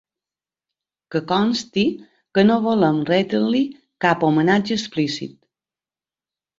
Que consti que no volem retre-li cap homenatge explícit.